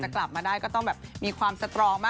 เขาก็พูดกับอังเสมอว่าแบบเขายังอยากแบบ